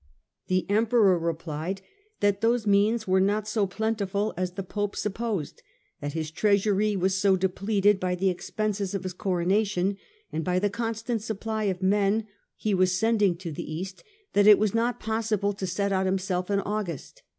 The Emperor replied that those means were not so plentiful as the Pope supposed ; that his treasury was so depleted by the expenses of his Coronation and by the constant supply of men he was sending to the East, that it was not possible to set out himself in August.